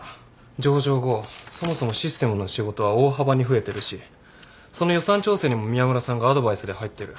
上場後そもそもシステムの仕事は大幅に増えてるしその予算調整にも宮村さんがアドバイスで入ってる。